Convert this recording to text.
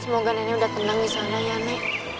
semoga nani udah tenang disana ya nani